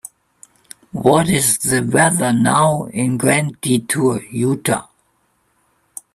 What is the weather now in Grand Detour, Utah